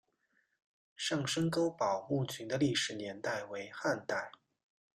上深沟堡墓群的历史年代为汉代。